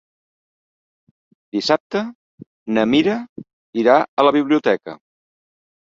Dissabte na Mira irà a la biblioteca.